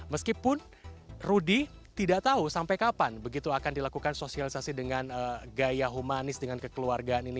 meskipun rudy tidak tahu sampai kapan begitu akan dilakukan sosialisasi dengan gaya humanis dengan kekeluargaan ini